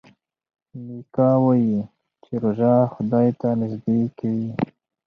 میکا وايي چې روژه خدای ته نژدې کوي.